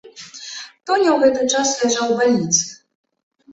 Тоня ў гэты час ляжаў у бальніцы.